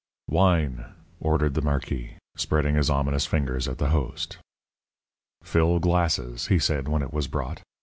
"Wine," ordered the marquis, spreading his ominous fingers at the host. "Fill glasses," he said, when it was brought.